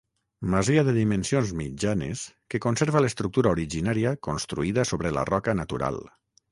Masia de dimensions mitjanes, que conserva l'estructura originària, construïda sobre la roca natural.